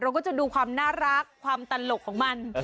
ก็จะดูความน่ารักความตลกของมัน